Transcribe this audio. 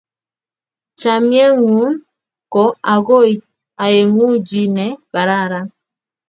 chamiyet ng'un ko koai aengu ji ne karakan